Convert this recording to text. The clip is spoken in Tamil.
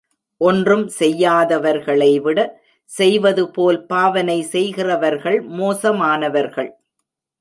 ஒன்றும் செய்யாதவர்களைவிட, செய்வது போல் பாவனை செய்கிறவர்கள் மோசமானவர்கள்.